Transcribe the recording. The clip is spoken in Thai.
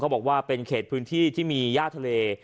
บอกว่าเป็นเขตพื้นที่ที่มีย่าทะเล